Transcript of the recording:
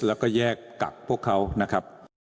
แล้วก็แยกกักพวกเขานะครับ